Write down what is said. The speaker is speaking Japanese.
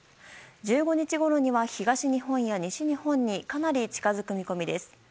１５日ごろには東日本や西日本にかなり近づく見込みです。